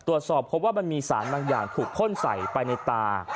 ตรวจสอบพบว่ามันมีสารบางอย่างถูกพ่นใส่ไปในตา